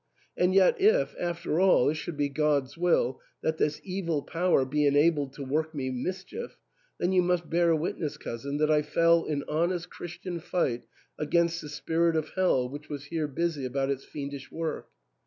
And yet if, after all, it should be God's will that this evil power be en abled to work me mischief, then you must bear witness, cousin, that I fell in honest Christian fight against the spirit of hell which was here busy about its fiendish work.